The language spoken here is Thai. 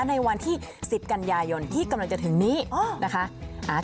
ในวันที่๑๐กันยายนที่กำลังจะถึงนี้นะคะ